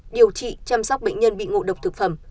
điều trị chăm sóc bệnh nhân bị ngộ độc thực phẩm